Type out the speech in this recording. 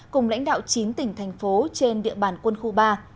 cùng lãnh đạo chín tỉnh thành phố trên địa bàn quân khu ba